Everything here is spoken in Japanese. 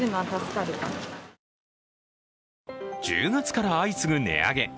１０月から相次ぐ値上げ。